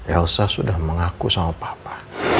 elsa sudah mengaku sama papa